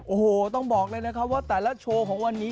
โอ้โหต้องบอกเลยนะครับว่าแต่ละโชว์ของวันนี้